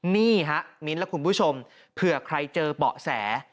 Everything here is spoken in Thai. นี่ฮะมิ้นท์และคุณผู้ชมเผื่อใครเจอเบาะแส